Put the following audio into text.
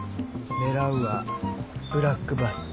狙うはブラックバス。